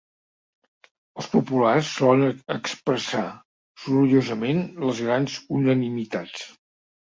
Els populars solen expressar sorollosament les grans unanimitats.